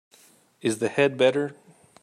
Is the head better?